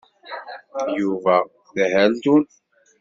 Yuba d aherdun.